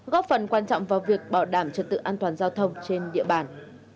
góp phần quan trọng vào việc bảo đảm trật tự an toàn giao thông trên địa bàn